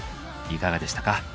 いかがでしたか？